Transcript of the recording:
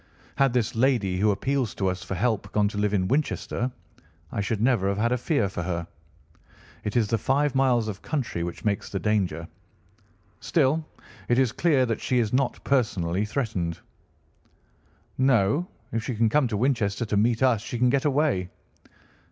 Had this lady who appeals to us for help gone to live in Winchester, I should never have had a fear for her. It is the five miles of country which makes the danger. Still, it is clear that she is not personally threatened." "No. If she can come to Winchester to meet us she can get away."